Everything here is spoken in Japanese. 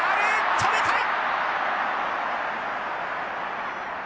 止めたい！